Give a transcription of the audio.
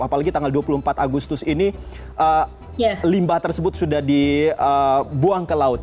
apalagi tanggal dua puluh empat agustus ini limbah tersebut sudah dibuang ke laut